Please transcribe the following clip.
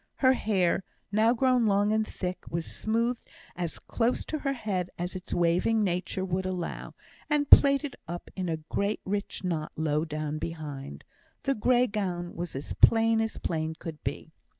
Her hair, now grown long and thick, was smoothed as close to her head as its waving nature would allow, and plaited up in a great rich knot low down behind. The grey gown was as plain as plain could be.